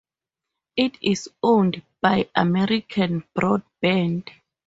It is owned by American Broadband.